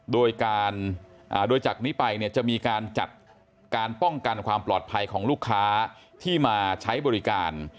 โดยการโดยจากนี้ไปเนี่ยจะมีการจัดการป้องกันความปลอดภัยของลูกค้าที่มาใช้บริการ